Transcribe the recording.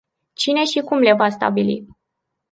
Cine și cum le va stabili?